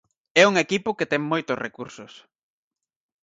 É un equipo que ten moitos recursos.